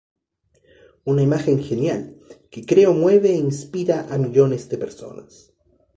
Una imagen genial, que creo mueve e inspira a millones de personas.